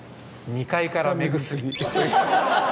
二階から目薬。